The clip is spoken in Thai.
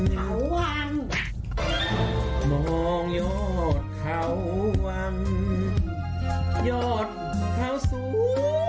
ยอดเขาสูง